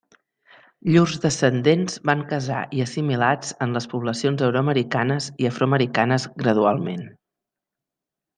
Llurs descendents van casar i assimilats en les poblacions euroamericanes i afroamericanes gradualment.